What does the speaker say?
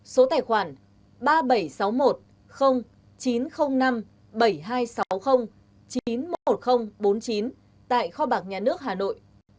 số tài khoản ba nghìn bảy trăm sáu mươi một chín trăm linh năm bảy nghìn hai trăm sáu mươi chín mươi một nghìn bốn mươi chín tại kho bạc nhà nước hà nội